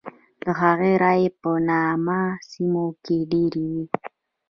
د هغه رایې په نا امنه سیمو کې ډېرې وې.